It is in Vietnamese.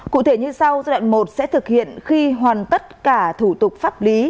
cụ thể như sau giai đoạn một sẽ thực hiện khi hoàn tất cả thủ tục pháp lý